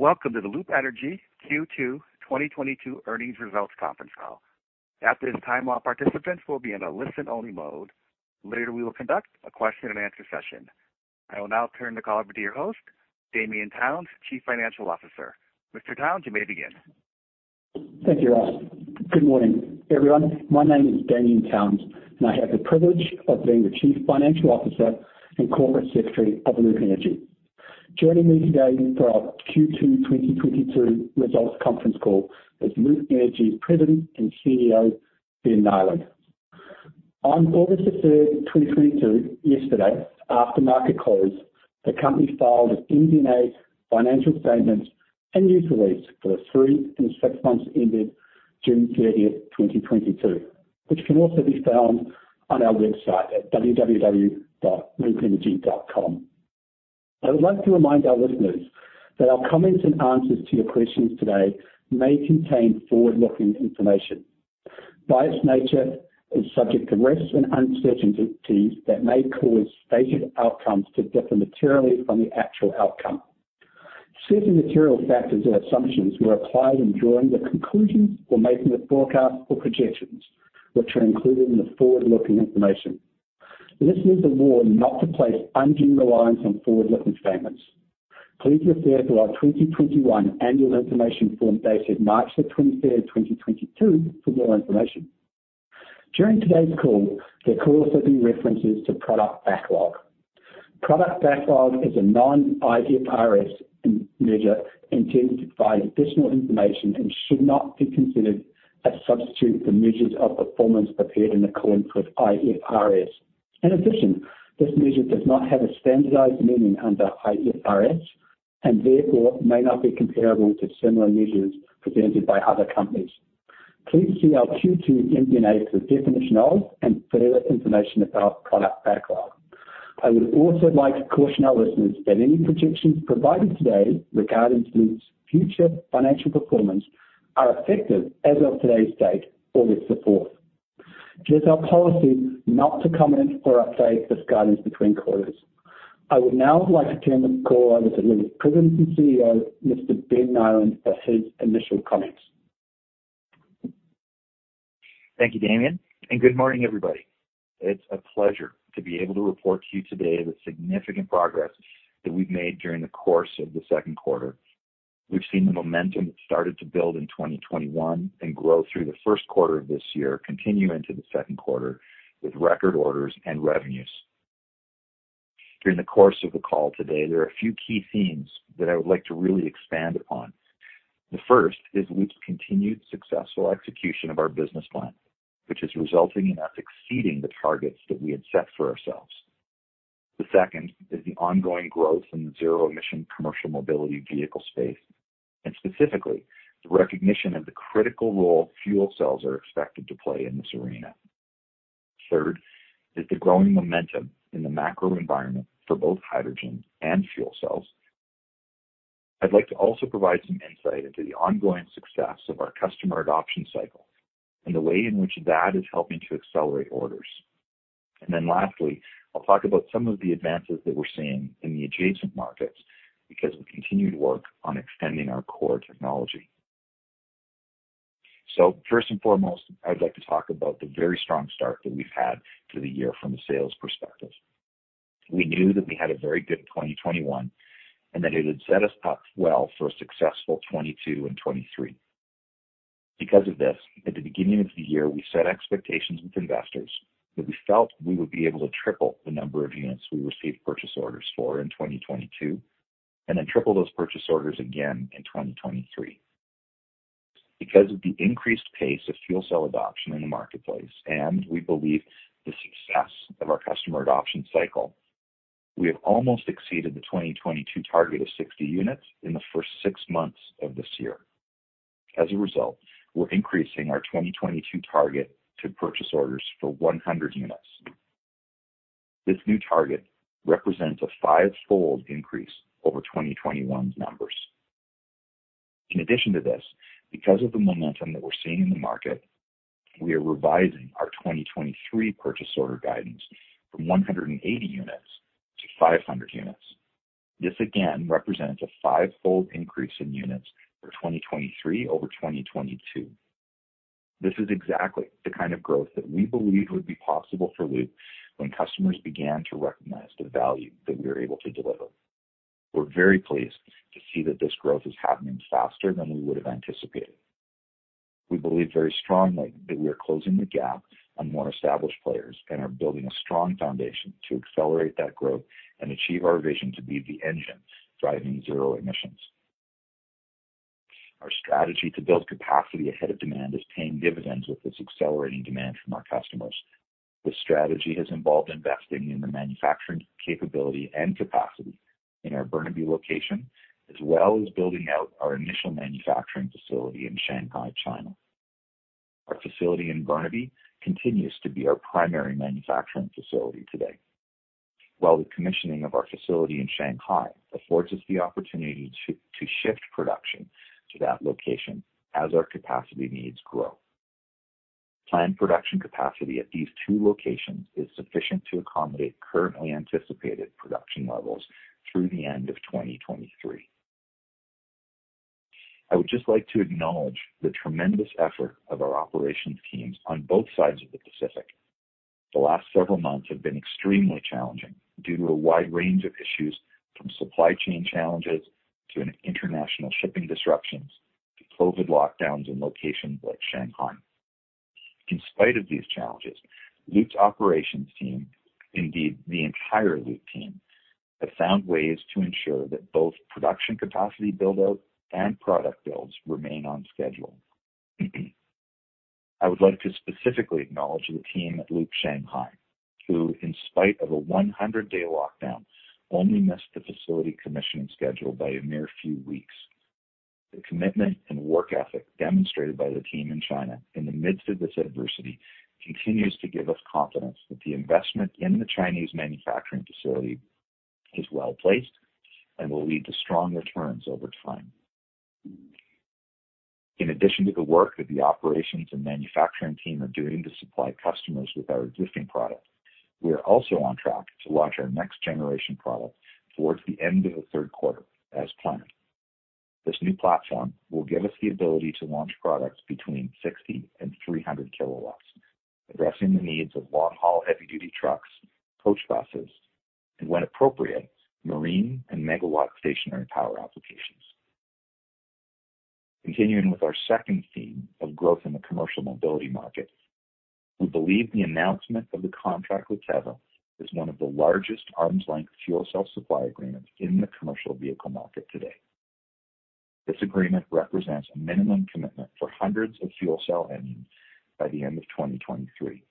Welcome to the Loop Energy Q2 2022 Earnings Results Conference Call. At this time, all participants will be in a listen-only mode. Later, we will conduct a question-and-answer session. I will now turn the call over to your host, Damian Towns, Chief Financial Officer. Mr. Towns, you may begin. Thank you, Rob. Good morning, everyone. My name is Damian Towns, and I have the privilege of being the Chief Financial Officer and Corporate Secretary of Loop Energy. Joining me today for our Q2 2022 Results Conference Call is Loop Energy's President and CEO, Ben Nyland. On August 3rd, 2022, yesterday, after market close, the company filed its MD&A, financial statements and news release for the three and six months ended June 30th, 2022, which can also be found on our website at www.loopenergy.com. I would like to remind our listeners that our comments and answers to your questions today may contain forward-looking information, by its nature, is subject to risks and uncertainties that may cause stated outcomes to differ materially from the actual outcome. Certain material factors or assumptions were applied in drawing the conclusions or making the forecast or projections, which are included in the forward-looking information. Listeners are warned not to place undue reliance on forward-looking statements. Please refer to our 2021 annual information form dated March 23rd, 2022 for more information. During today's call, there will also be references to product backlog. Product backlog is a non-IFRS measure intended to provide additional information and should not be considered a substitute for measures of performance prepared in accordance with IFRS. In addition, this measure does not have a standardized meaning under IFRS and therefore may not be comparable to similar measures presented by other companies. Please see our Q2 MD&A for definition of and further information about product backlog. I would also like to caution our listeners that any projections provided today regarding Loop's future financial performance are effective as of today's date, August the 4th. It is our policy not to comment or update this guidance between quarters. I would now like to turn the call over to Loop's President and CEO, Mr. Ben Nyland, for his initial comments. Thank you, Damian, and good morning, everybody. It's a pleasure to be able to report to you today the significant progress that we've made during the course of the second quarter. We've seen the momentum that started to build in 2021 and grow through the first quarter of this year, continue into the second quarter with record orders and revenues. During the course of the call today, there are a few key themes that I would like to really expand upon. The first is Loop's continued successful execution of our business plan, which is resulting in us exceeding the targets that we had set for ourselves. The second is the ongoing growth in the zero-emission commercial mobility vehicle space, and specifically, the recognition of the critical role fuel cells are expected to play in this arena. Third is the growing momentum in the macro environment for both hydrogen and fuel cells. I'd like to also provide some insight into the ongoing success of our Customer Adoption Cycle and the way in which that is helping to accelerate orders. Lastly, I'll talk about some of the advances that we're seeing in the adjacent markets because we continue to work on extending our core technology. First and foremost, I'd like to talk about the very strong start that we've had to the year from a sales perspective. We knew that we had a very good 2021, and that it had set us up well for a successful 2022 and 2023. Because of this, at the beginning of the year, we set expectations with investors that we felt we would be able to triple the number of units we received purchase orders for in 2022, and then triple those purchase orders again in 2023. Because of the increased pace of fuel cell adoption in the marketplace, and we believe the success of our Customer Adoption Cycle, we have almost exceeded the 2022 target of 60 units in the first six months of this year. As a result, we're increasing our 2022 target to purchase orders for 100 units. This new target represents a five-fold increase over 2021's numbers. In addition to this, because of the momentum that we're seeing in the market, we are revising our 2023 purchase order guidance from 180 units to 500 units. This again represents a five-fold increase in units for 2023 over 2022. This is exactly the kind of growth that we believe would be possible for Loop when customers began to recognize the value that we are able to deliver. We're very pleased to see that this growth is happening faster than we would have anticipated. We believe very strongly that we are closing the gap on more established players and are building a strong foundation to accelerate that growth and achieve our vision to be the engine driving zero emissions. Our strategy to build capacity ahead of demand is paying dividends with this accelerating demand from our customers. This strategy has involved investing in the manufacturing capability and capacity in our Burnaby location, as well as building out our initial manufacturing facility in Shanghai, China. Our facility in Burnaby continues to be our primary manufacturing facility today, while the commissioning of our facility in Shanghai affords us the opportunity to shift production to that location as our capacity needs grow. Planned production capacity at these two locations is sufficient to accommodate currently anticipated production levels through the end of 2023. I would just like to acknowledge the tremendous effort of our operations teams on both sides of the Pacific. The last several months have been extremely challenging due to a wide range of issues, from supply chain challenges to international shipping disruptions to COVID lockdowns in locations like Shanghai. In spite of these challenges, Loop's operations team, indeed the entire Loop team, have found ways to ensure that both production capacity build-out and product builds remain on schedule. I would like to specifically acknowledge the team at Loop Shanghai, who, in spite of a 100-day lockdown, only missed the facility commissioning schedule by a mere few weeks. The commitment and work ethic demonstrated by the team in China in the midst of this adversity continues to give us confidence that the investment in the Chinese manufacturing facility is well-placed and will lead to strong returns over time. In addition to the work that the operations and manufacturing team are doing to supply customers with our existing product, we are also on track to launch our next generation product towards the end of the third quarter as planned. This new platform will give us the ability to launch products between 60 kW and 300 kW, addressing the needs of long-haul heavy duty trucks, coach buses, and when appropriate, marine and megawatt stationary power applications. Continuing with our second theme of growth in the commercial mobility market, we believe the announcement of the contract with Tevva is one of the largest arm's-length fuel cell supply agreements in the commercial vehicle market today. This agreement represents a minimum commitment for hundreds of fuel cell engines by the end of 2023.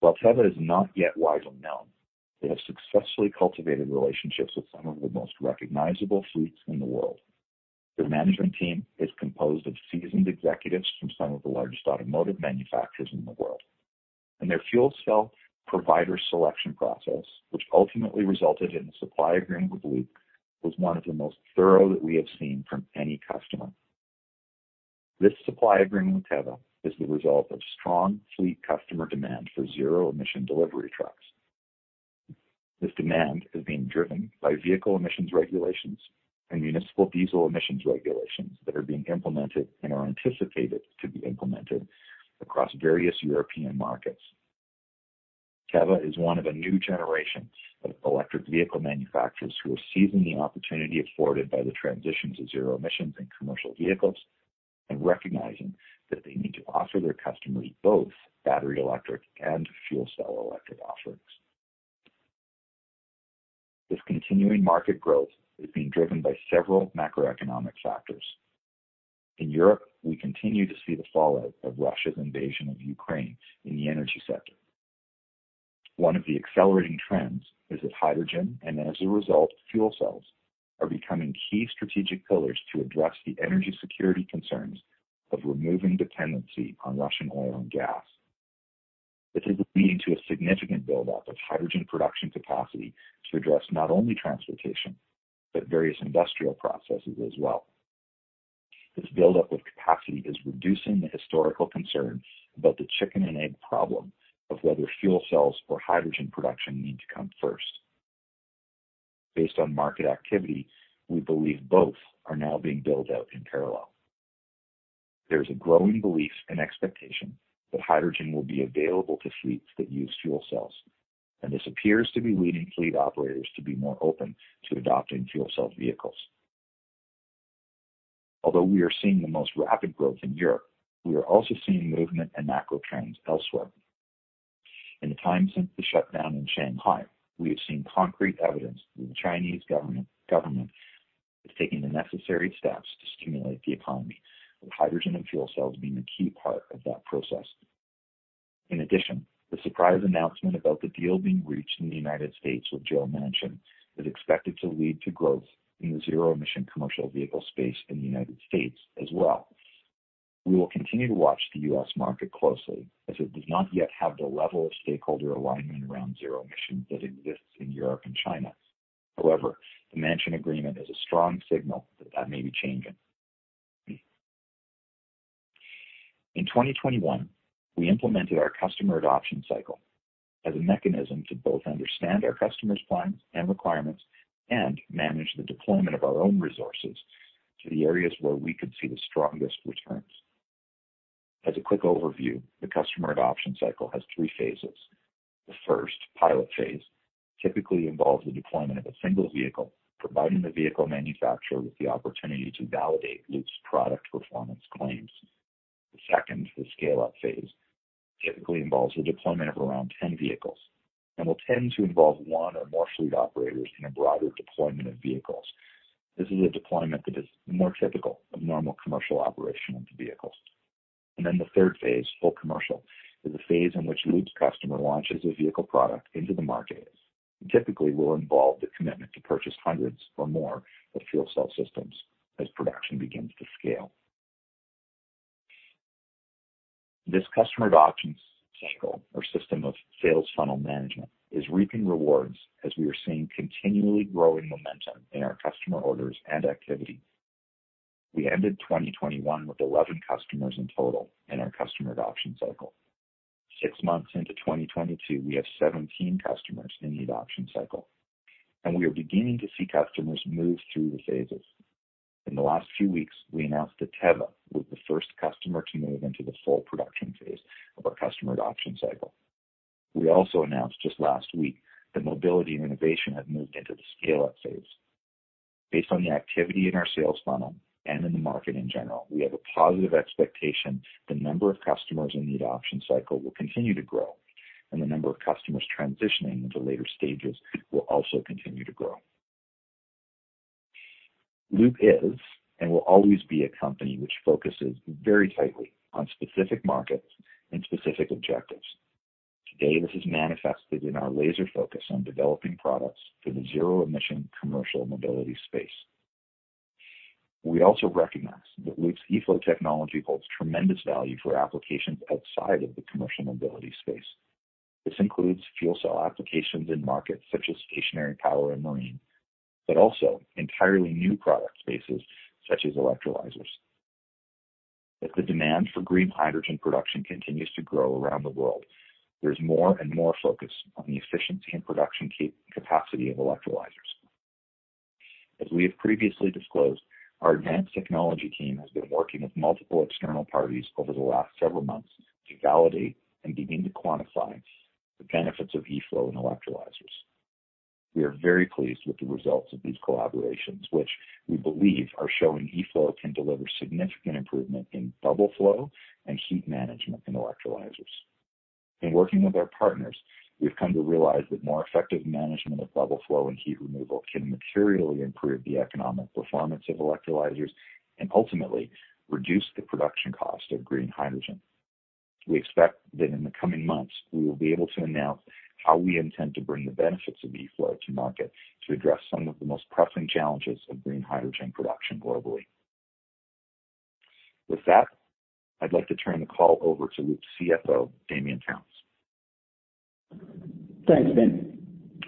While Tevva is not yet widely known, they have successfully cultivated relationships with some of the most recognizable fleets in the world. Their management team is composed of seasoned executives from some of the largest automotive manufacturers in the world. Their fuel cell provider selection process, which ultimately resulted in the supply agreement with Loop, was one of the most thorough that we have seen from any customer. This supply agreement with Tevva is the result of strong fleet customer demand for zero-emission delivery trucks. This demand is being driven by vehicle emissions regulations and municipal diesel emissions regulations that are being implemented and are anticipated to be implemented across various European markets. Tevva is one of a new generation of electric vehicle manufacturers who are seizing the opportunity afforded by the transition to zero emissions in commercial vehicles and recognizing that they need to offer their customers both battery electric and fuel cell electric offerings. This continuing market growth is being driven by several macroeconomic factors. In Europe, we continue to see the fallout of Russia's invasion of Ukraine in the energy sector. One of the accelerating trends is that hydrogen, and as a result, fuel cells, are becoming key strategic pillars to address the energy security concerns of removing dependency on Russian oil and gas. This is leading to a significant build-up of hydrogen production capacity to address not only transportation, but various industrial processes as well. This build-up of capacity is reducing the historical concern about the chicken and egg problem of whether fuel cells or hydrogen production need to come first. Based on market activity, we believe both are now being built out in parallel. There is a growing belief and expectation that hydrogen will be available to fleets that use fuel cells, and this appears to be leading fleet operators to be more open to adopting fuel cell vehicles. Although we are seeing the most rapid growth in Europe, we are also seeing movement and macro trends elsewhere. In the time since the shutdown in Shanghai, we have seen concrete evidence that the Chinese government is taking the necessary steps to stimulate the economy, with hydrogen and fuel cells being a key part of that process. In addition, the surprise announcement about the deal being reached in the United States with Joe Manchin is expected to lead to growth in the zero-emission commercial vehicle space in the United States as well. We will continue to watch the U.S. market closely as it does not yet have the level of stakeholder alignment around zero-emission that exists in Europe and China. However, the Manchin agreement is a strong signal that that may be changing. In 2021, we implemented our Customer Adoption Cycle as a mechanism to both understand our customers' plans and requirements and manage the deployment of our own resources to the areas where we could see the strongest returns. As a quick overview, the Customer Adoption Cycle has three phases. The first, Pilot Phase, typically involves the deployment of a single vehicle, providing the vehicle manufacturer with the opportunity to validate Loop's product performance claims. The second, the Scale-Up Phase, typically involves the deployment of around 10 vehicles, and will tend to involve one or more fleet operators in a broader deployment of vehicles. This is a deployment that is more typical of normal commercial operation of the vehicles. The third phase, full commercial, is a phase in which Loop's customer launches a vehicle product into the market. It typically will involve the commitment to purchase hundreds or more of fuel cell systems as production begins to scale. The Customer Adoption Cycle, our system of sales funnel management, is reaping rewards as we are seeing continually growing momentum in our customer orders and activity. We ended 2021 with 11 customers in total in our Customer Adoption Cycle. Six months into 2022, we have 17 customers in the adoption cycle, and we are beginning to see customers move through the phases. In the last few weeks, we announced that Tevva was the first customer to move into the Full Production Phase of our Customer Adoption Cycle. We also announced just last week that Mobility & Innovation have moved into the Scale-Up Phase. Based on the activity in our sales funnel and in the market in general, we have a positive expectation the number of customers in the adoption cycle will continue to grow, and the number of customers transitioning into later stages will also continue to grow. Loop is and will always be a company which focuses very tightly on specific markets and specific objectives. Today, this is manifested in our laser focus on developing products for the zero-emission commercial mobility space. We also recognize that Loop's eFlow technology holds tremendous value for applications outside of the commercial mobility space. This includes fuel cell applications in markets such as stationary power and marine, but also entirely new product spaces such as electrolyzers. As the demand for green hydrogen production continues to grow around the world, there's more and more focus on the efficiency and production capacity of electrolyzers. As we have previously disclosed, our advanced technology team has been working with multiple external parties over the last several months to validate and begin to quantify the benefits of eFlow and electrolyzers. We are very pleased with the results of these collaborations, which we believe are showing eFlow can deliver significant improvement in bubble flow and heat management in electrolyzers. In working with our partners, we've come to realize that more effective management of bubble flow and heat removal can materially improve the economic performance of electrolyzers and ultimately reduce the production cost of green hydrogen. We expect that in the coming months, we will be able to announce how we intend to bring the benefits of eFlow to market to address some of the most pressing challenges of green hydrogen production globally. With that, I'd like to turn the call over to Loop's CFO, Damian Towns. Thanks, Ben.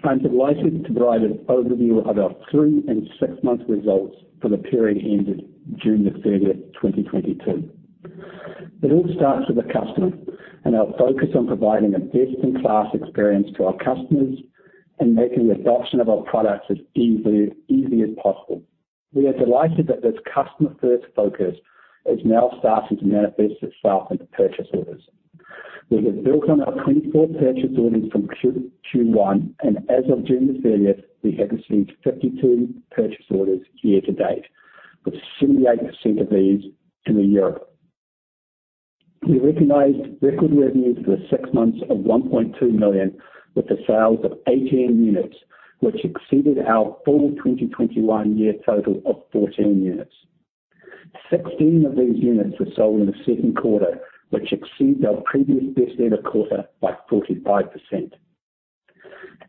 I'm delighted to provide an overview of our three and six-month results for the period ended June 30th, 2022. It all starts with the customer, and our focus on providing a best-in-class experience to our customers and making the adoption of our products as easy as possible. We are delighted that this customer-first focus is now starting to manifest itself into purchase orders. We have built on our 24 purchase orders from Q1, and as of June 30th, we have received 52 purchase orders year to date, with 78% of these in Europe. We recognized record revenues for six months of 1.2 million, with the sales of 18 units, which exceeded our full 2021 year total of 14 units. 16 of these units were sold in the second quarter, which exceeds our previous best ever quarter by 45%.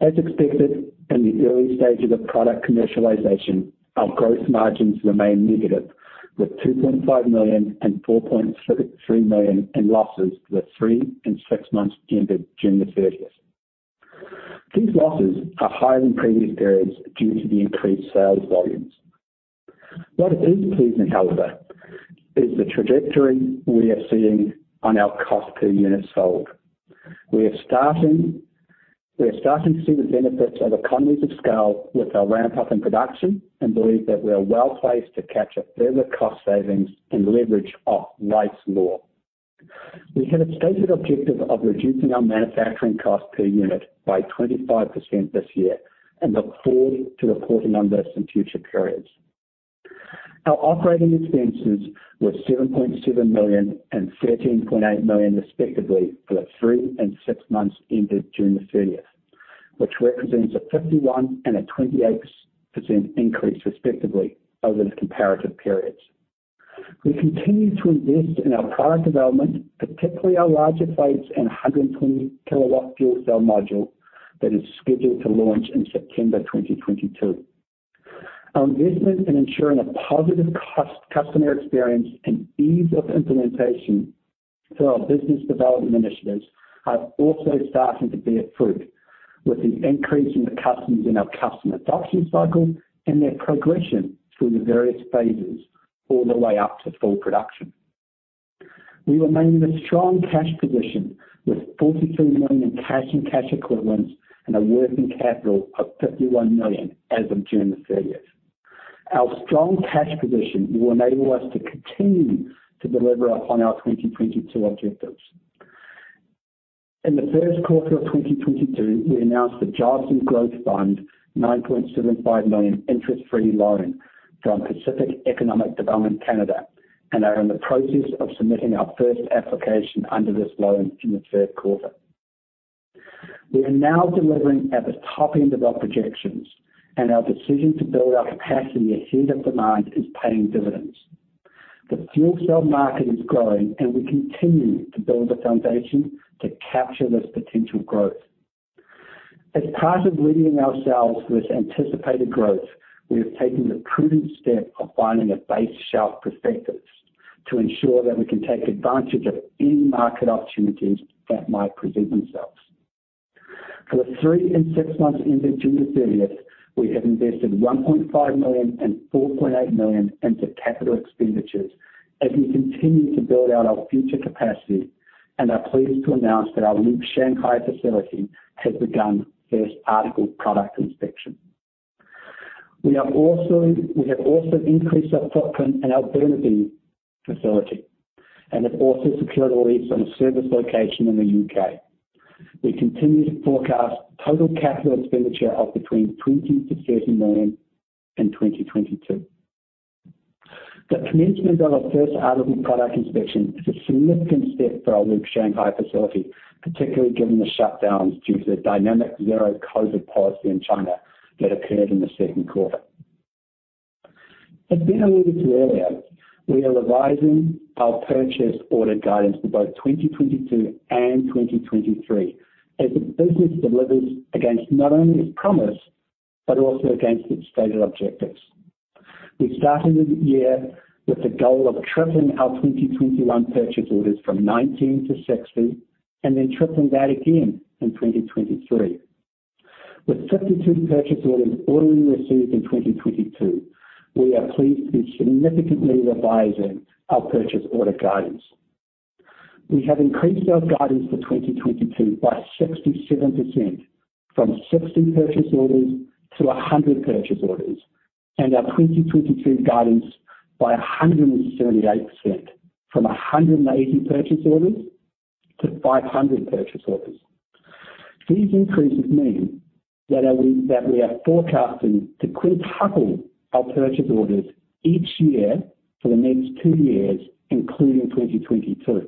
As expected, in the early stages of product commercialization, our gross margins remain negative, with 2.5 million and 4.3 million in losses for the three and six months ended June 30th. These losses are higher than previous periods due to the increased sales volumes. What is pleasing, however, is the trajectory we are seeing on our cost per unit sold. We are starting to see the benefits of economies of scale with our ramp up in production and believe that we are well-placed to capture further cost savings and leverage of Wright's law. We have a stated objective of reducing our manufacturing cost per unit by 25% this year and look forward to reporting on this in future periods. Our operating expenses were 7.7 million and 13.8 million, respectively, for the three and six months ended June 30th, which represents a 51% and a 28% increase, respectively, over the comparative periods. We continue to invest in our product development, particularly our larger plates and 120 kW fuel cell module that is scheduled to launch in September 2022. Our investment in ensuring a positive customer experience and ease of implementation through our business development initiatives are also starting to bear fruit, with an increase in the customers in our Customer Adoption Cycle and their progression through the various phases all the way up to full production. We remain in a strong cash position with 42 million in cash and cash equivalents and a working capital of 51 million as of June 30th. Our strong cash position will enable us to continue to deliver upon our 2022 objectives. In the first quarter of 2022, we announced the Jobs and Growth Fund 9.75 million interest-free loan from Pacific Economic Development Canada and are in the process of submitting our first application under this loan in the third quarter. We are now delivering at the top end of our projections and our decision to build our capacity ahead of demand is paying dividends. The fuel cell market is growing and we continue to build a foundation to capture this potential growth. As part of leading ourselves through this anticipated growth, we have taken the prudent step of filing a base shelf prospectus to ensure that we can take advantage of any market opportunities that might present themselves. For the three and six months ending June 30th, we have invested 1.5 million and 4.8 million into capital expenditures as we continue to build out our future capacity and are pleased to announce that our new Shanghai facility has begun first article product inspection. We have also increased our footprint in our Burnaby facility and have also secured a lease on a service location in the U.K. We continue to forecast total capital expenditure of between 20 million-30 million in 2022. The commencement of our first article product inspection is a significant step for our Loop Shanghai facility, particularly given the shutdowns due to the dynamic zero-COVID policy in China that occurred in the second quarter. As has been alluded to earlier, we are revising our purchase order guidance for both 2022 and 2023 as the business delivers against not only its promise but also against its stated objectives. We started the year with the goal of tripling our 2021 purchase orders from 19 to 60 and then tripling that again in 2023. With 52 purchase orders already received in 2022, we are pleased to be significantly revising our purchase order guidance. We have increased our guidance for 2022 by 67% from 60 purchase orders to 100 purchase orders, and our 2022 guidance by 178% from 180 purchase orders to 500 purchase orders. These increases mean that we are forecasting to quintuple our purchase orders each year for the next two years, including 2022.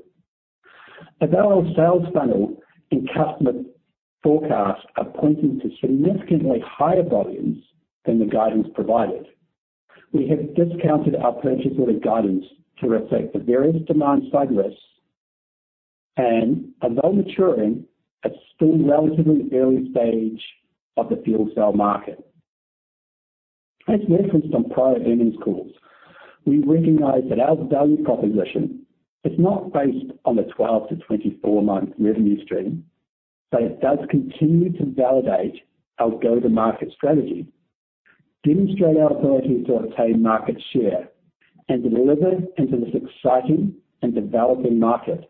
As our sales funnel and customer forecasts are pointing to significantly higher volumes than the guidance provided, we have discounted our purchase order guidance to reflect the various demand side risks and are now maturing at still relatively early stage of the fuel cell market. As referenced on prior earnings calls, we recognize that our value proposition is not based on the 12-24-month revenue stream, but it does continue to validate our go-to-market strategy, demonstrate our ability to obtain market share, and deliver into this exciting and developing market.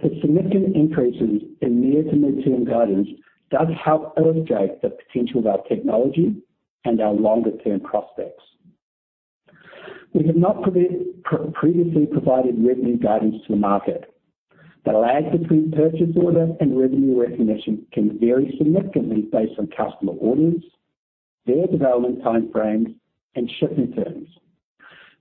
The significant increases in near- to mid-term guidance does help illustrate the potential of our technology and our longer-term prospects. We have not previously provided revenue guidance to the market. The lag between purchase order and revenue recognition can vary significantly based on customer orders, their development time frames, and shipping terms.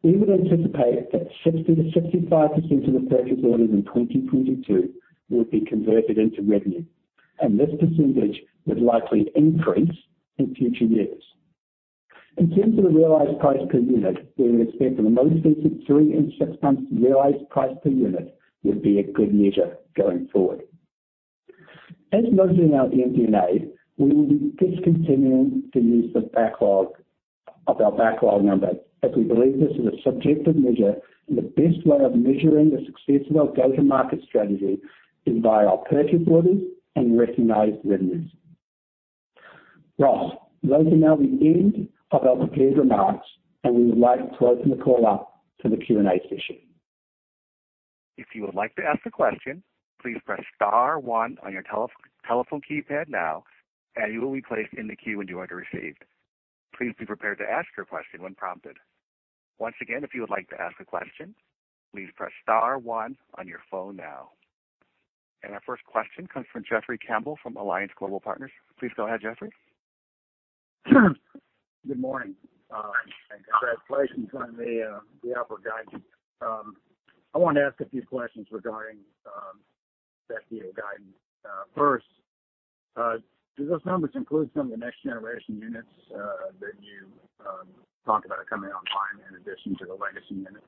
We would anticipate that 60%-65% of the purchase orders in 2022 will be converted into revenue, and this percentage would likely increase in future years. In terms of the realized price per unit, we would expect that the most recent three and six months realized price per unit would be a good measure going forward. As noted in our MD&A, we will be discontinuing the use of backlog, of our backlog number as we believe this is a subjective measure, and the best way of measuring the success of our go-to-market strategy is by our purchase orders and recognized revenues. Now, those are now the end of our prepared remarks, and we would like to open the call up to the Q&A session. If you would like to ask a question, please press star one on your telephone keypad now, and you will be placed in the queue and your order received. Please be prepared to ask your question when prompted. Once again, if you would like to ask a question, please press star one on your phone now. Our first question comes from Jeffrey Campbell from Alliance Global Partners. Please go ahead, Jeffrey. Good morning. Congratulations on the upward guidance. I want to ask a few questions regarding that year guidance. First, do those numbers include some of the next generation units that you talked about coming online in addition to the legacy units?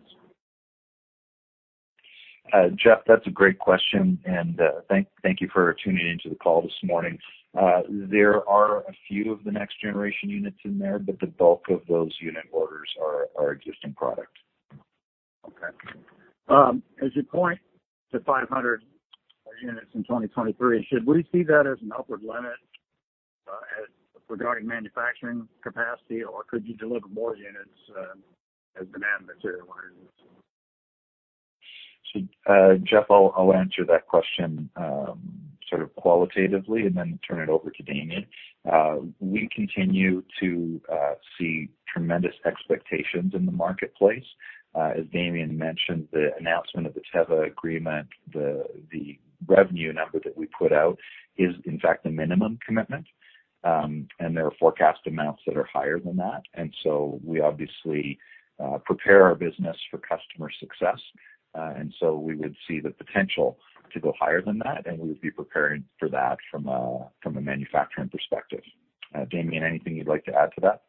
Jeff, that's a great question, and thank you for tuning in to the call this morning. There are a few of the next generation units in there, but the bulk of those unit orders are existing product. Okay. As you point to 500 units in 2023, should we see that as an upward limit, as regarding manufacturing capacity, or could you deliver more units, as demand materializes? Jeff, I'll answer that question sort of qualitatively and then turn it over to Damian. We continue to see tremendous expectations in the marketplace. As Damian mentioned, the announcement of the Tevva agreement, the revenue number that we put out is in fact the minimum commitment, and there are forecast amounts that are higher than that. We obviously prepare our business for customer success. We would see the potential to go higher than that, and we would be preparing for that from a manufacturing perspective. Damian, anything you'd like to add to that?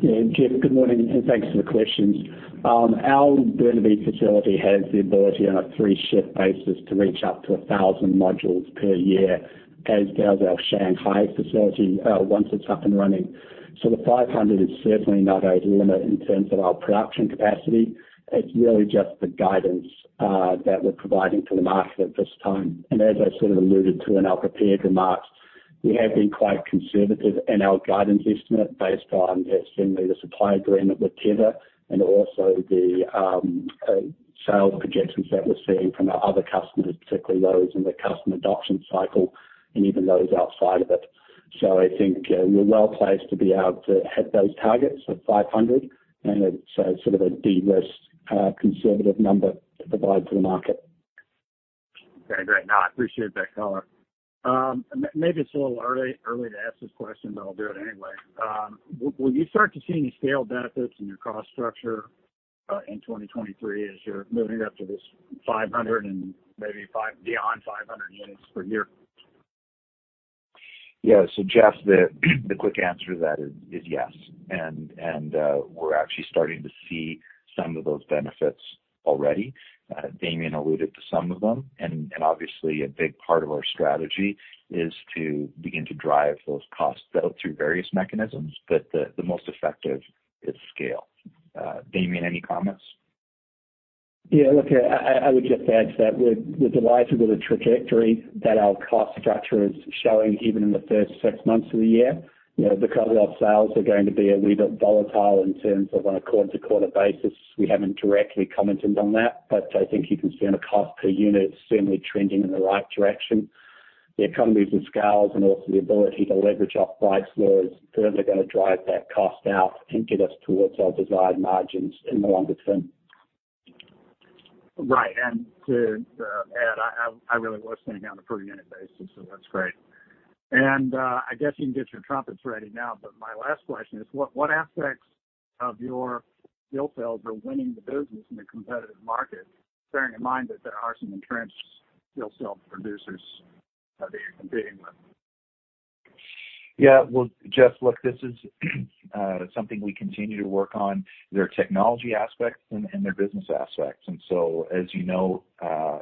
Yeah, Jeff, good morning, and thanks for the questions. Our Burnaby facility has the ability on a three-shift basis to reach up to 1,000 modules per year, as does our Shanghai facility, once it's up and running. The 500 is certainly not a limit in terms of our production capacity. It's really just the guidance that we're providing to the market at this time. As I sort of alluded to in our prepared remarks, we have been quite conservative in our guidance estimate based on certainly the supply agreement with Tevva and also the sales projections that we're seeing from our other customers, particularly those in the Customer Adoption Cycle and even those outside of it. I think we're well-placed to be able to hit those targets of 500. It's sort of a de-risked conservative number to provide to the market. Okay. Great. No, I appreciate that color. Maybe it's a little early to ask this question, but I'll do it anyway. Will you start to see any scale benefits in your cost structure in 2023 as you're moving up to this 500 and maybe beyond 500 units per year? Yeah. Jeff, the quick answer to that is yes. We're actually starting to see some of those benefits already. Damian alluded to some of them, and obviously a big part of our strategy is to begin to drive those costs down through various mechanisms, but the most effective is scale. Damian, any comments? Yeah. Look, I would just add to that, we're delighted with the trajectory that our cost structure is showing even in the first six months of the year. You know, because our sales are going to be a wee bit volatile in terms of on a quarter-to-quarter basis, we haven't directly commented on that. But I think you can see on a cost per unit, it's certainly trending in the right direction. The economies of scale and also the ability to leverage off price lows further gonna drive that cost out and get us towards our desired margins in the longer term. Right. To add, I really was thinking on a per unit basis, so that's great. I guess you can get your trumpets ready now, but my last question is: what aspects of your fuel cells are winning the business in a competitive market, bearing in mind that there are some entrenched fuel cell producers that you're competing with? Yeah. Well, Jeff, look, this is something we continue to work on, their technology aspects and their business aspects. As you know,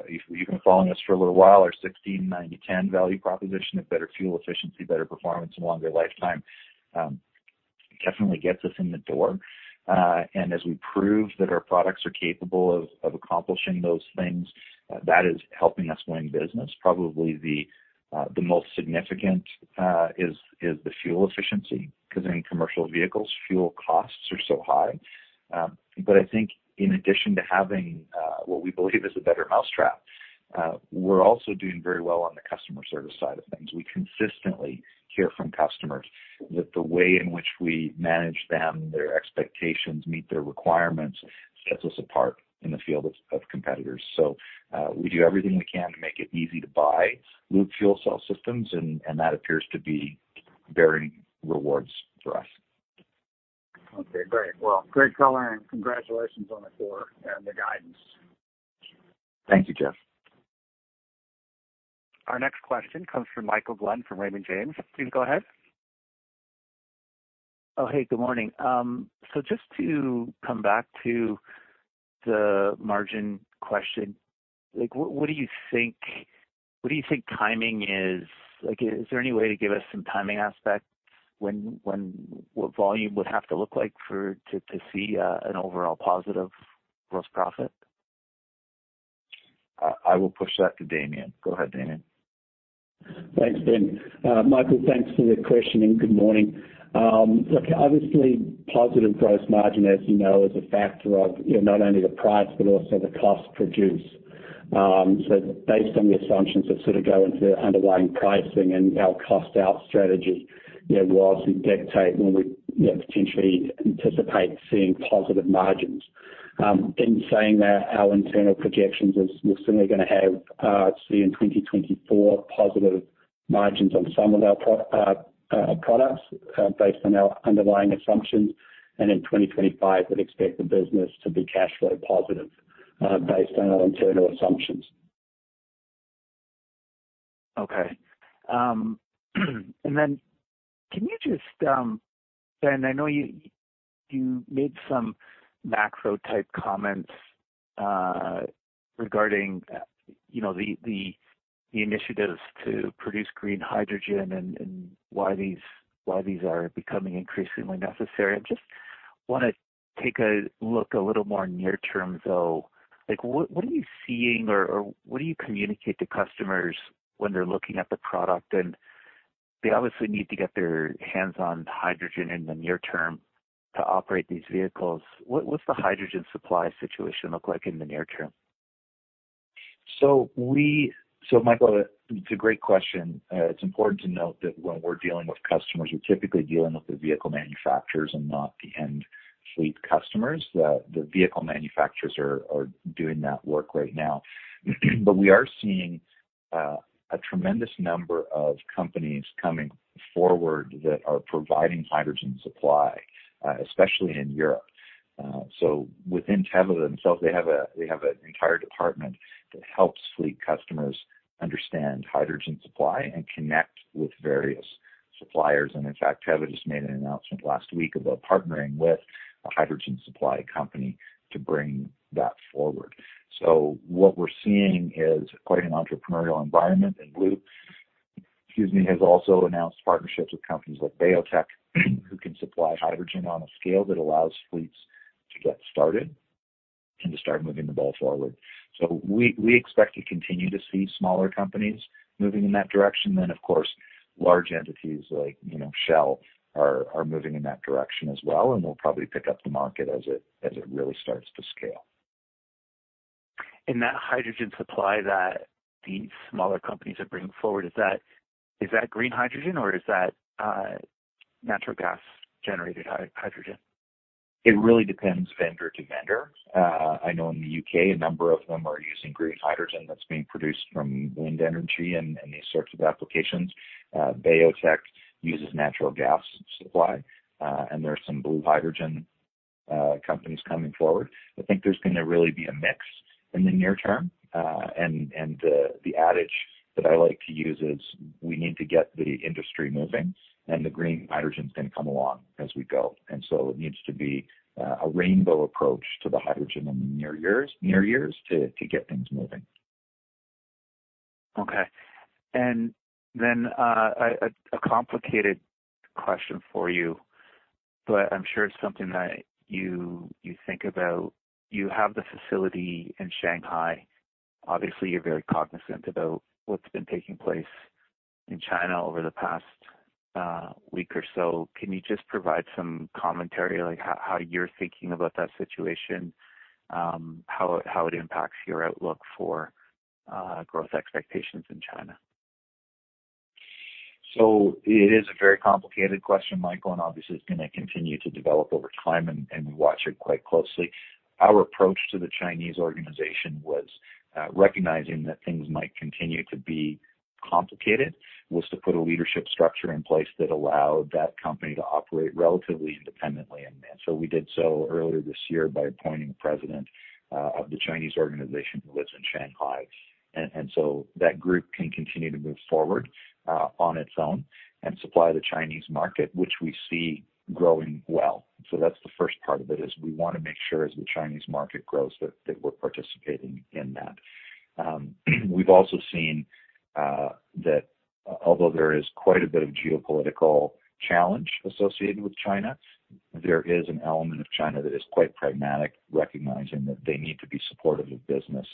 if you've been following us for a little while, our 16/90/10 value proposition of better fuel efficiency, better performance and longer lifetime definitely gets us in the door. As we prove that our products are capable of accomplishing those things, that is helping us win business. Probably the most significant is the fuel efficiency because in commercial vehicles, fuel costs are so high. I think in addition to having what we believe is a better mousetrap, we're also doing very well on the customer service side of things. We consistently hear from customers that the way in which we manage them, their expectations, meet their requirements, sets us apart in the field of competitors. We do everything we can to make it easy to buy Loop fuel cell systems and that appears to be bearing rewards for us. Okay. Great. Well, great color, and congratulations on the quarter and the guidance. Thank you, Jeff. Our next question comes from Michael Glen from Raymond James. Please go ahead. Oh, hey, good morning. Just to come back to the margin question, like what do you think timing is? Like, is there any way to give us some timing aspect when what volume would have to look like to see an overall positive gross profit? I will push that to Damian. Go ahead, Damian. Thanks, Ben. Michael, thanks for the question and good morning. Look, obviously, positive gross margin, as you know, is a factor of, you know, not only the price but also the cost to produce. So based on the assumptions that sort of go into underlying pricing and our cost-out strategy, you know, will dictate when we, you know, potentially anticipate seeing positive margins. In saying that, our internal projections is we're certainly gonna have, say in 2024, positive margins on some of our products, based on our underlying assumptions. In 2025, we'd expect the business to be cash flow positive, based on our internal assumptions. Okay. Can you just, Ben, I know you made some macro-type comments regarding you know the initiatives to produce green hydrogen and why these are becoming increasingly necessary. I just wanna take a look a little more near term though. Like, what are you seeing or what do you communicate to customers when they're looking at the product and they obviously need to get their hands-on hydrogen in the near term to operate these vehicles? What's the hydrogen supply situation look like in the near term? Michael, it's a great question. It's important to note that when we're dealing with customers, we're typically dealing with the vehicle manufacturers and not the end fleet customers. The vehicle manufacturers are doing that work right now. We are seeing a tremendous number of companies coming forward that are providing hydrogen supply, especially in Europe. Within Tevva themselves, they have an entire department that helps fleet customers understand hydrogen supply and connect with various suppliers. In fact, Tevva just made an announcement last week about partnering with a hydrogen supply company to bring that forward. What we're seeing is quite an entrepreneurial environment, and Loop, excuse me, has also announced partnerships with companies like BayoTech who can supply hydrogen on a scale that allows fleets to get started and to start moving the ball forward. We expect to continue to see smaller companies moving in that direction. Of course, large entities like, you know, Shell are moving in that direction as well and will probably pick up the market as it really starts to scale. That hydrogen supply that these smaller companies are bringing forward, is that green hydrogen or is that natural gas generated hydrogen? It really depends vendor to vendor. I know in the U.K. a number of them are using green hydrogen that's being produced from wind energy and these sorts of applications. BayoTech uses natural gas supply, and there are some blue hydrogen companies coming forward. I think there's gonna really be a mix in the near term. The adage that I like to use is we need to get the industry moving, and the green hydrogen is gonna come along as we go. It needs to be a rainbow approach to the hydrogen in the near years to get things moving. Okay. A complicated question for you, but I'm sure it's something that you think about. You have the facility in Shanghai. Obviously, you're very cognizant about what's been taking place in China over the past week or so. Can you just provide some commentary, like how you're thinking about that situation, how it impacts your outlook for growth expectations in China? It is a very complicated question, Michael, and obviously it's gonna continue to develop over time, and we watch it quite closely. Our approach to the Chinese organization was recognizing that things might continue to be complicated, was to put a leadership structure in place that allowed that company to operate relatively independently. We did so earlier this year by appointing a president of the Chinese organization who lives in Shanghai. That group can continue to move forward on its own and supply the Chinese market, which we see growing well. That's the first part of it, is we wanna make sure as the Chinese market grows, that we're participating in that. We've also seen that although there is quite a bit of geopolitical challenge associated with China, there is an element of China that is quite pragmatic, recognizing that they need to be supportive of business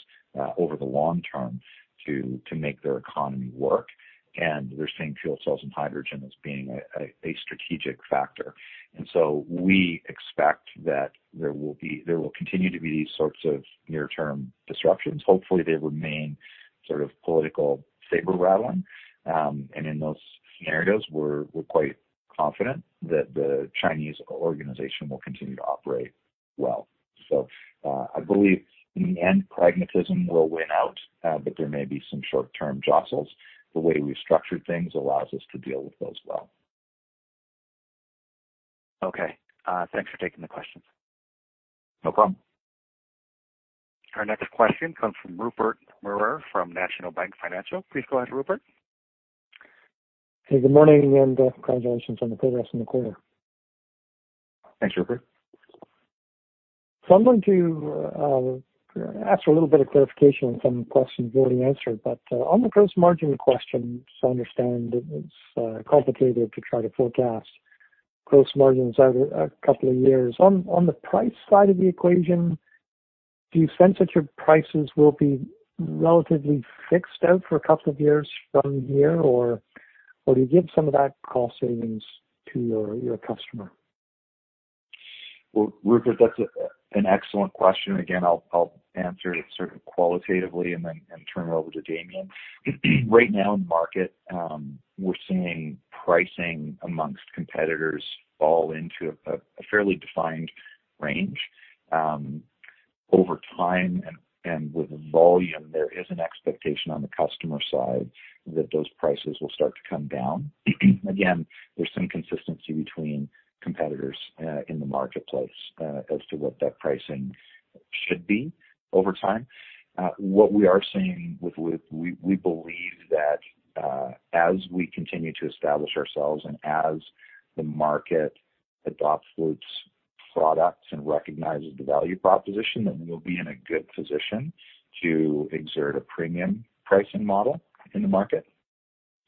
over the long term to make their economy work. They're seeing fuel cells and hydrogen as being a strategic factor. We expect that there will continue to be these sorts of near-term disruptions. Hopefully, they remain sort of political saber-rattling. In those scenarios, we're quite confident that the Chinese organization will continue to operate well. I believe in the end, pragmatism will win out, but there may be some short-term jostles. The way we've structured things allows us to deal with those well. Okay. Thanks for taking the questions. No problem. Our next question comes from Rupert Merer from National Bank Financial. Please go ahead, Rupert. Hey, good morning, and congratulations on the progress in the quarter. Thanks, Rupert. I'm going to ask for a little bit of clarification on some questions you already answered. On the gross margin question, I understand it's complicated to try to forecast gross margins out a couple of years. On the price side of the equation, do you sense that your prices will be relatively fixed out for a couple of years from here, or will you give some of that cost savings to your customer? Well, Rupert, that's an excellent question. Again, I'll answer it sort of qualitatively and then turn it over to Damian. Right now in the market, we're seeing pricing among competitors fall into a fairly defined range. Over time and with volume, there is an expectation on the customer side that those prices will start to come down. Again, there's some consistency between competitors in the marketplace as to what that pricing should be over time. What we are seeing, we believe that as we continue to establish ourselves and as the market adopts fuel cell products and recognizes the value proposition, then we'll be in a good position to exert a premium pricing model in the market.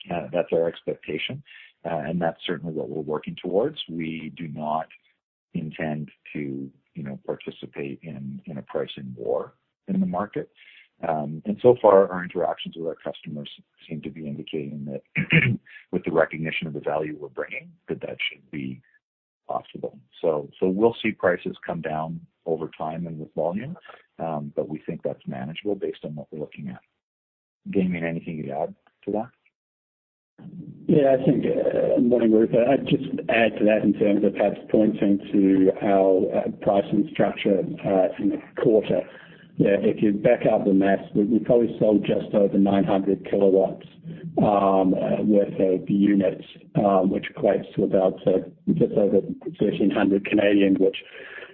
That's our expectation, and that's certainly what we're working towards. We do not intend to, you know, participate in a pricing war in the market. So far, our interactions with our customers seem to be indicating that with the recognition of the value we're bringing, that should be possible. We'll see prices come down over time and with volume, but we think that's manageable based on what we're looking at. Damian, anything to add to that? Yeah, I think morning, Rupert. I'd just add to that in terms of perhaps pointing to our pricing structure in the quarter, that if you back out the mix, we probably sold just over 900 kW worth of units, which equates to about, so just over 1,300, which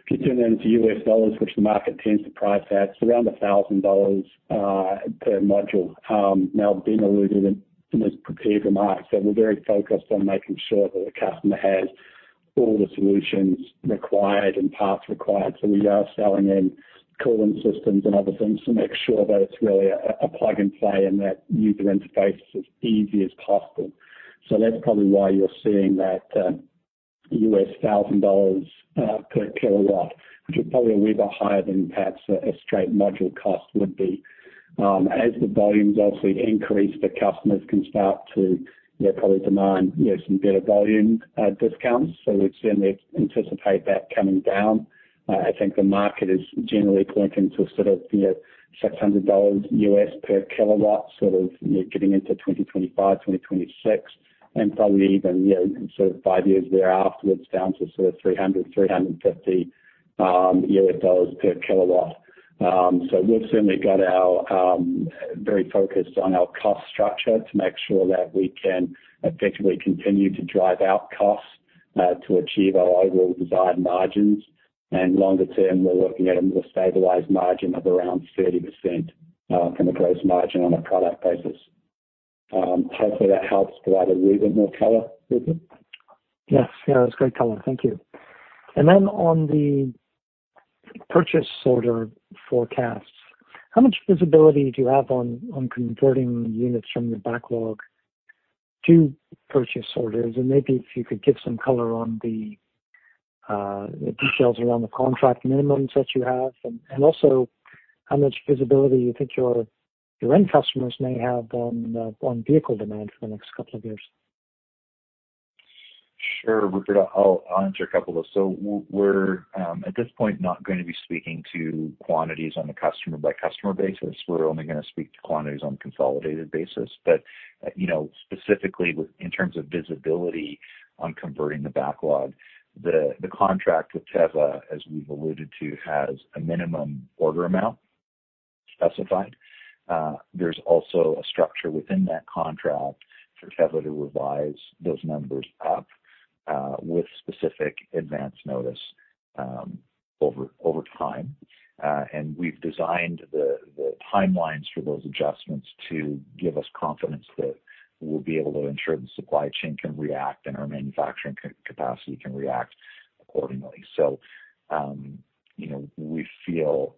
converting into U.S. dollars, which the market tends to price at around $1,000 per module. Now Ben alluded in his prepared remarks that we're very focused on making sure that the customer has all the solutions required and paths required. We are selling in cooling systems and other things to make sure that it's really a plug and play and that user interface is as easy as possible. That's probably why you're seeing that, $1,000/kW, which is probably a wee bit higher than perhaps a straight module cost would be. As the volumes obviously increase, the customers can start to, you know, probably demand, you know, some better volume discounts. We'd certainly anticipate that coming down. I think the market is generally pointing to sort of, you know, $600/kW, sort of, you know, getting into 2025, 2026, and probably even, you know, sort of five years thereafter down to sort of $300/kW-$350/kW. We've certainly got ourselves very focused on our cost structure to make sure that we can effectively continue to drive out costs to achieve our overall desired margins. Longer term, we're looking at a more stabilized margin of around 30%, from a gross margin on a product basis. Hopefully that helps provide a wee bit more color, Rupert. Yes. Yeah, that's great color. Thank you. Then on the purchase order forecasts, how much visibility do you have on converting units from your backlog to purchase orders? And maybe if you could give some color on the details around the contract minimums that you have and also how much visibility you think your end customers may have on vehicle demand for the next couple of years? Sure, Rupert. I'll answer a couple of those. We're at this point, not gonna be speaking to quantities on a customer by customer basis. We're only gonna speak to quantities on consolidated basis. You know, specifically in terms of visibility on converting the backlog, the contract with Tevva, as we've alluded to, has a minimum order amount specified. There's also a structure within that contract for Tevva to revise those numbers up with specific advance notice over time. We've designed the timelines for those adjustments to give us confidence that we'll be able to ensure the supply chain can react and our manufacturing capacity can react accordingly. You know, we feel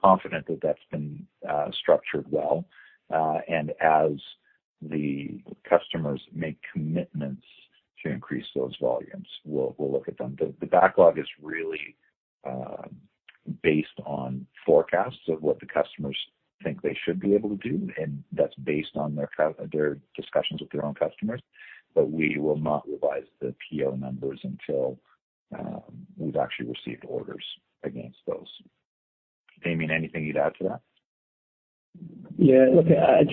confident that that's been structured well. As the customers make commitments to increase those volumes, we'll look at them. The backlog is really based on forecasts of what the customers think they should be able to do, and that's based on their discussions with their own customers. We will not revise the PO numbers until we've actually received orders against those. Damian, anything you'd add to that? Yeah. Look, I'd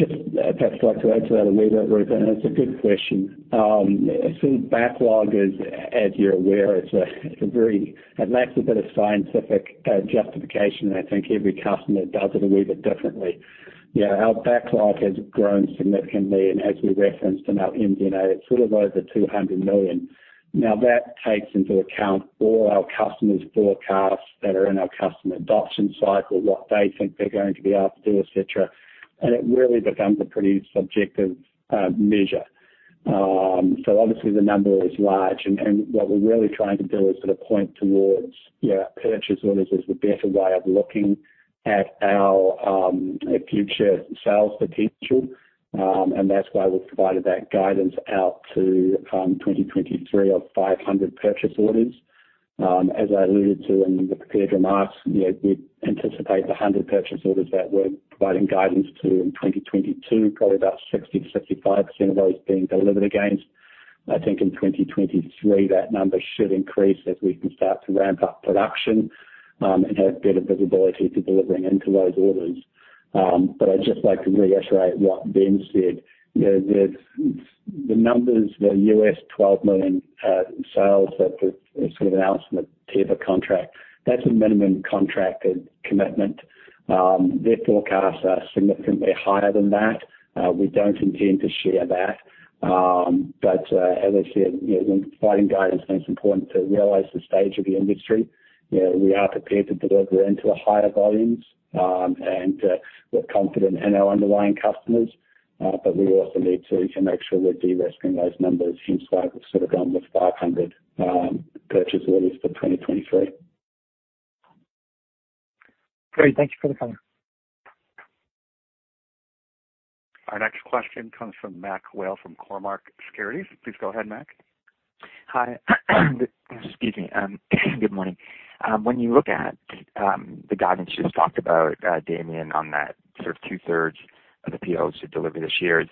perhaps like to add to that a wee bit, Rupert, and it's a good question. Backlog is, as you're aware, it lacks a bit of scientific justification, and I think every customer does it a wee bit differently. Yeah, our backlog has grown significantly, and as we referenced in our MD&A, it's sort of over 200 million. Now, that takes into account all our customers' forecasts that are in our Customer Adoption Cycle, what they think they're going to be able to do, et cetera. It really becomes a pretty subjective measure. Obviously the number is large. What we're really trying to do is sort of point towards, you know, purchase orders as the better way of looking at our future sales potential. That's why we've provided that guidance out to 2023 of 500 purchase orders. As I alluded to in the prepared remarks, you know, we anticipate the 100 purchase orders that we're providing guidance to in 2022, probably about 60%-65% of those being delivered against. I think in 2023, that number should increase as we can start to ramp up production and have better visibility to delivering into those orders. I'd just like to reiterate what Ben said. You know, the numbers, the U.S. $12 million sales that, as sort of announced in the Tevva contract, that's a minimum contracted commitment. Their forecasts are significantly higher than that. We don't intend to share that. As I said, you know, when providing guidance, I think it's important to realize the stage of the industry. You know, we are prepared to deliver into the higher volumes, and we're confident in our underlying customers, but we also need to make sure we're de-risking those numbers inside. We've sort of gone with 500 purchase orders for 2023. Great. Thank you for the color. Our next question comes from MacMurray Whale from Cormark Securities. Please go ahead, Mac. Hi. Excuse me. Good morning. When you look at the guidance you just talked about, Damian, on that sort of 2/3 of the POs to deliver this year,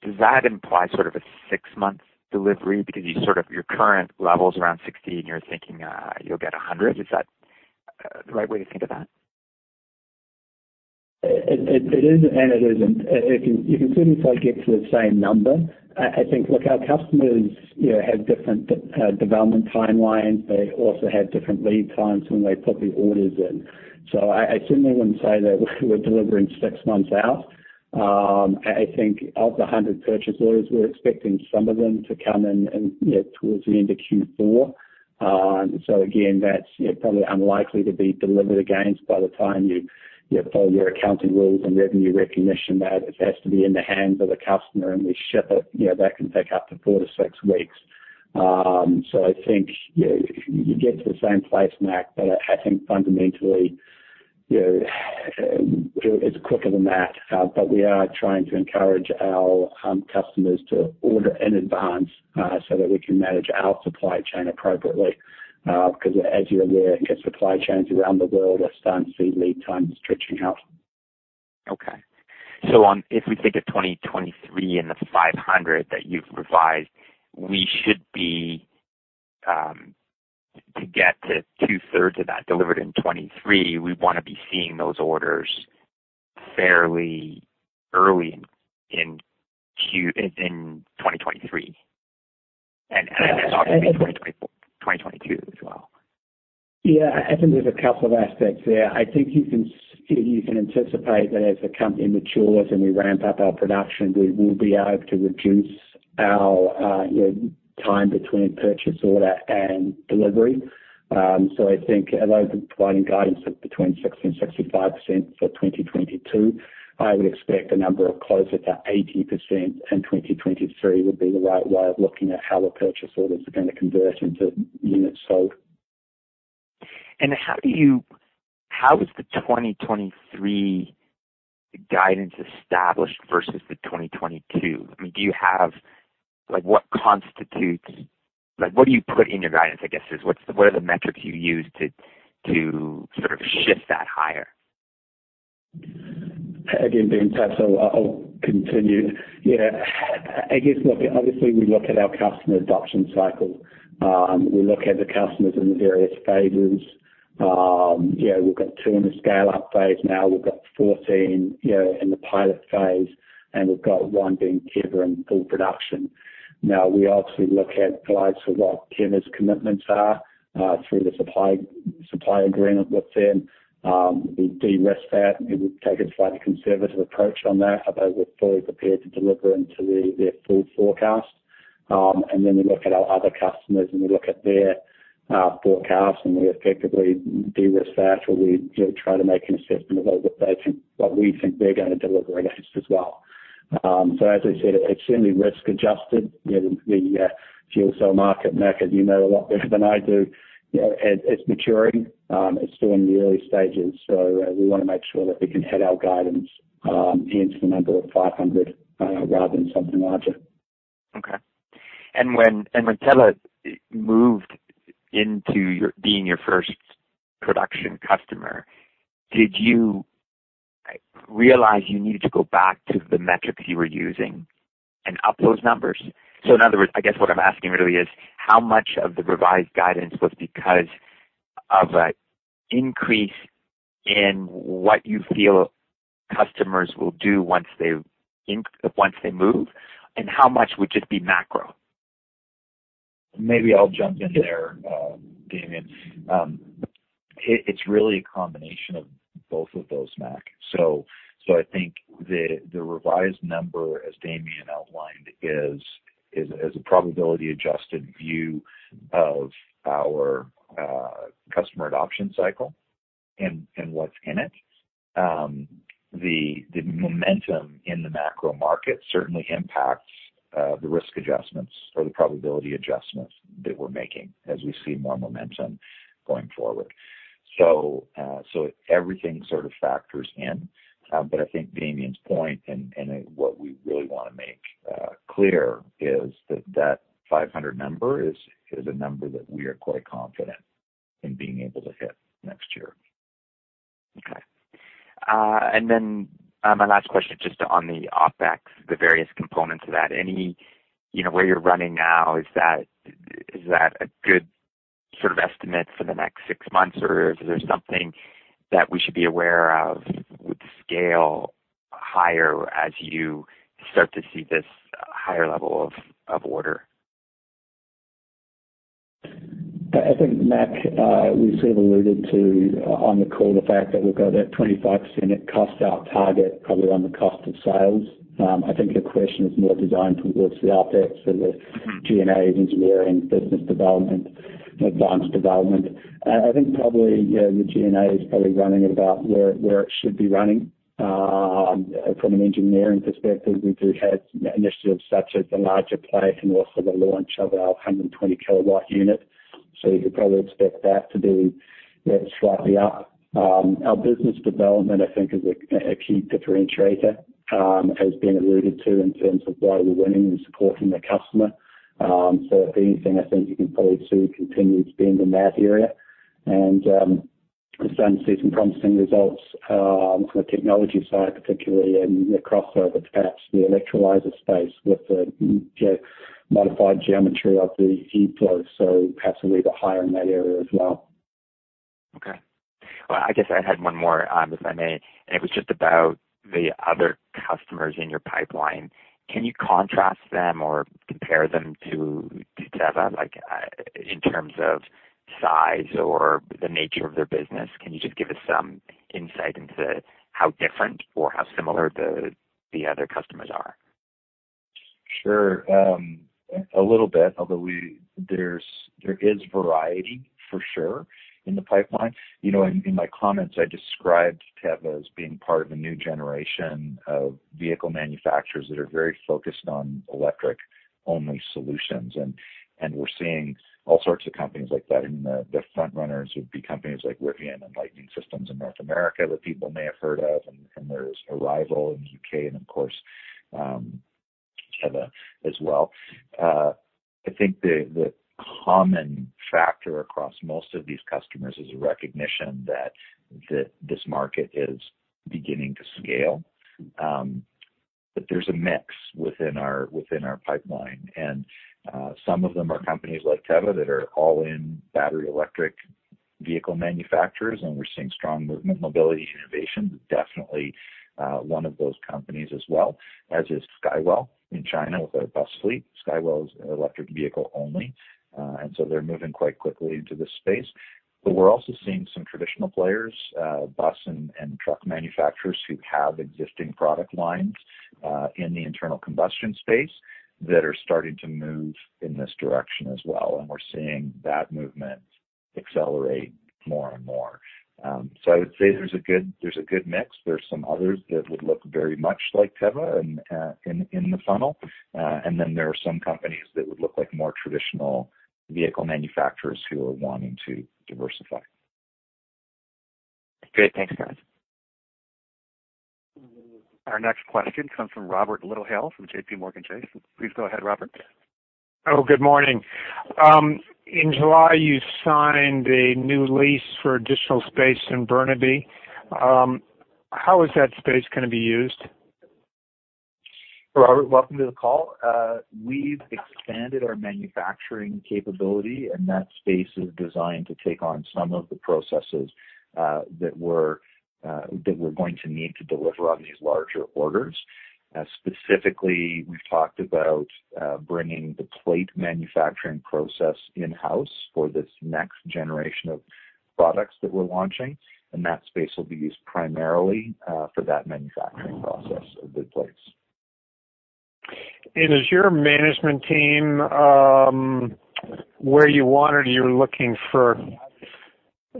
does that imply sort of a six-month delivery? Because you sort of, your current level is around 60 and you're thinking you'll get a 100. Is that the right way to think of that? It is and it isn't. You can certainly say get to the same number. I think, look, our customers, you know, have different development timelines. They also have different lead times when they put the orders in. I certainly wouldn't say that we're delivering six months out. I think of the 100 purchase orders, we're expecting some of them to come in, you know, towards the end of Q4. Again, that's, you know, probably unlikely to be delivered against by the time you follow your accounting rules and revenue recognition that it has to be in the hands of the customer, and we ship it, you know, that can take up to four to six weeks. I think you get to the same place, Mac. I think fundamentally, you know, it's quicker than that. We are trying to encourage our customers to order in advance, so that we can manage our supply chain appropriately. Because as you're aware, I guess supply chains around the world are starting to see lead times stretching out. If we think of 2023 and the 500 that you've revised, we should be to get to 2/3 of that delivered in 2023, we wanna be seeing those orders fairly early in 2023. That's obviously 2022 as well. Yeah. I think there's a couple of aspects there. I think you can anticipate that as the company matures and we ramp up our production, we will be able to reduce our, you know, time between purchase order and delivery. So I think although the providing guidance of between 60%-65% for 2022, I would expect a number closer to 80% in 2023 would be the right way of looking at how the purchase orders are gonna convert into units sold. How is the 2023 guidance established versus the 2022? I mean, do you have like what constitutes like what do you put in your guidance, I guess, is what are the metrics you use to sort of shift that higher? Again, Damian Towns. I'll continue. Yeah. I guess, look, obviously, we look at our Customer Adoption Cycle. We look at the customers in the various phases. Yeah, we've got two in the Scale-Up Phase now. We've got 14, you know, in the Pilot Phase, and we've got one being Tevva in full production. Now we obviously look at guides for what Tevva's commitments are through the supply agreement with them. We de-risk that, and we've taken quite a conservative approach on that, although we're fully prepared to deliver into their full forecast. We look at our other customers, and we look at their forecast, and we effectively de-risk that, or we, you know, try to make an assessment of what we think they're gonna deliver against as well. As I said, extremely risk-adjusted. You know, the fuel cell market, Mac, as you know a lot better than I do, you know, it's maturing. It's still in the early stages, so we wanna make sure that we can hit our guidance against the number of 500 rather than something larger. Okay. When Tevva moved into being your first production customer, did you realize you needed to go back to the metrics you were using and up those numbers? In other words, I guess what I'm asking really is how much of the revised guidance was because of a increase in what you feel customers will do once they move, and how much would just be macro? Maybe I'll jump in there, Damian. It's really a combination of both of those, Mac. I think the revised number, as Damian outlined, is a probability-adjusted view of our Customer Adoption Cycle and what's in it. The momentum in the macro market certainly impacts the risk adjustments or the probability adjustments that we're making as we see more momentum going forward. Everything sort of factors in. I think Damian's point and what we really wanna make clear is that that 500 number is a number that we are quite confident in being able to hit next year. Okay. My last question just on the OpEx, the various components of that. Any, you know, where you're running now, is that a good sort of estimate for the next six months, or is there something that we should be aware of? Would the scale higher as you start to see this higher level of order? I think, Mac, we sort of alluded to on the call the fact that we've got that 25% cost out target probably on the cost of sales. I think your question is more designed towards the OpEx or the- Mm-hmm. G&As, engineering, business development, advanced development. I think probably, you know, the G&A is probably running about where it should be running. From an engineering perspective, we do have initiatives such as the larger plate and also the launch of our 120 kW unit. You could probably expect that to be, you know, slightly up. Our business development I think is a key differentiator, as has been alluded to in terms of why we're winning and supporting the customer. If anything, I think you can probably see continued spend in that area. We're starting to see some promising results, from a technology side particularly and the crossover with perhaps the electrolyzer space with the geo-modified geometry of the eFlow, so perhaps a little bit higher in that area as well. Okay. Well, I guess I had one more, if I may, and it was just about the other customers in your pipeline. Can you contrast them or compare them to Tevva? Like, in terms of size or the nature of their business? Can you just give us some insight into how different or how similar the other customers are? Sure. A little bit, although there's variety for sure in the pipeline. You know, in my comments, I described Tevva as being part of a new generation of vehicle manufacturers that are very focused on electric-only solutions. We're seeing all sorts of companies like that. The front runners would be companies like Rivian and Lightning eMotors in North America that people may have heard of, and there's Arrival in the U.K. and, of course, Tevva as well. I think the common factor across most of these customers is a recognition that this market is beginning to scale. But there's a mix within our pipeline. Some of them are companies like Tevva that are all in battery electric vehicle manufacturers, and we're seeing strong movement. Mobility & Innovation is definitely one of those companies as well, as is Skywell in China with their bus fleet. Skywell is electric vehicle only, and so they're moving quite quickly into this space. We're also seeing some traditional players, bus and truck manufacturers who have existing product lines, in the internal combustion space that are starting to move in this direction as well, and we're seeing that movement accelerate more and more. I would say there's a good mix. There's some others that would look very much like Tevva in the funnel. Then there are some companies that would look like more traditional vehicle manufacturers who are wanting to diversify. Great. Thanks, Ben. Our next question comes from Robert Littlehale from JPMorgan Chase. Please go ahead, Robert. Good morning. In July, you signed a new lease for additional space in Burnaby. How is that space gonna be used? Robert, welcome to the call. We've expanded our manufacturing capability, and that space is designed to take on some of the processes that we're going to need to deliver on these larger orders. Specifically, we've talked about bringing the plate manufacturing process in-house for this next generation of products that we're launching, and that space will be used primarily for that manufacturing process of the plates. Is your management team where you want, or you're looking for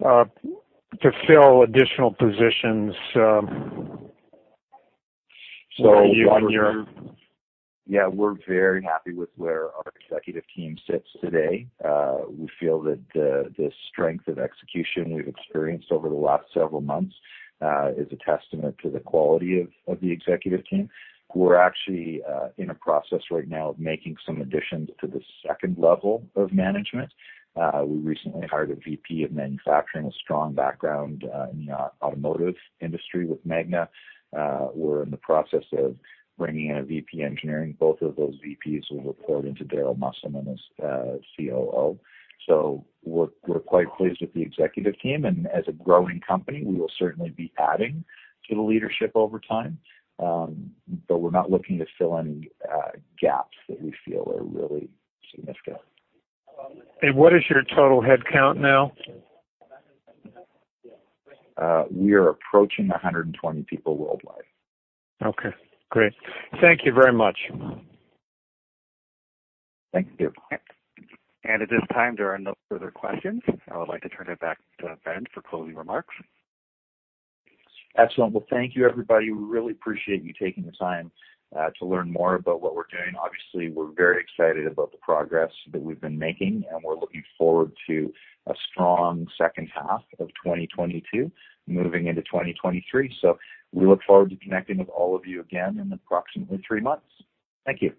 to fill additional positions, where you and your- Robert, yeah, we're very happy with where our executive team sits today. We feel that the strength of execution we've experienced over the last several months is a testament to the quality of the executive team. We're actually in a process right now of making some additions to the second level of management. We recently hired a VP of manufacturing with strong background in the automotive industry with Magna. We're in the process of bringing in a VP engineering. Both of those VPs will report into Daryl Musselman and his COO. We're quite pleased with the executive team, and as a growing company, we will certainly be adding to the leadership over time. But we're not looking to fill any gaps that we feel are really significant. What is your total headcount now? We are approaching 120 people worldwide. Okay, great. Thank you very much. Thank you. At this time, there are no further questions. I would like to turn it back to Ben for closing remarks. Excellent. Well, thank you everybody. We really appreciate you taking the time to learn more about what we're doing. Obviously, we're very excited about the progress that we've been making, and we're looking forward to a strong second half of 2022 moving into 2023. We look forward to connecting with all of you again in approximately three months. Thank you.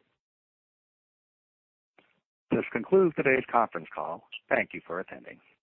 This concludes today's conference call. Thank you for attending.